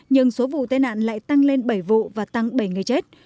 nhưng số vụ tai nạn lại tăng lên bảy vụ và tăng bảy người chết